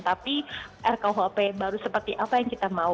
tapi rkuhp baru seperti apa yang kita mau